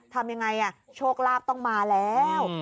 ทำยังไงโชคลาภต้องมาแล้ว